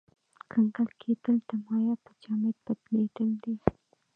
کنګل کېدل د مایع په جامد بدلیدل دي.